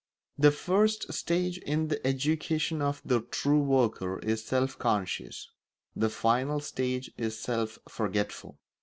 The first stage in the education of the true worker is self conscious; the final stage is self forgetful.